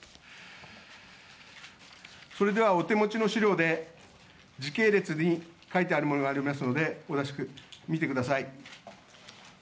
それでは、お手持ちの資料で時系列に書いてあるものがありますので、見てください。